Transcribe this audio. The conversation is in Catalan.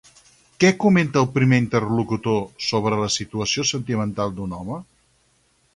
Què comenta el primer interlocutor sobre la situació sentimental d'un home?